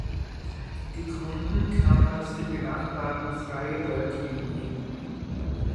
Die Kunden kamen aus dem benachbarten Fryeburg in Maine.